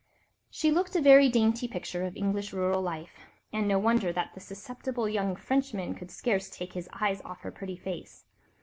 She looked a very dainty picture of English rural life, and no wonder that the susceptible young Frenchman could scarce take his eyes off her pretty face.